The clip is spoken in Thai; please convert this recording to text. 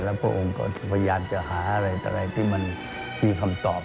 แล้วพระองค์ก็พยายามจะหาอะไรที่มันมีคำตอบ